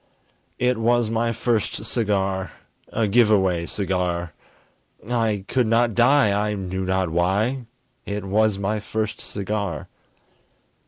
It was my first cigar! A give away cigar! I could not die I knew not why It was my first cigar!